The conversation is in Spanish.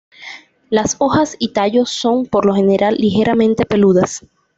Las hojas y tallo son, por lo general, ligeramente peludas.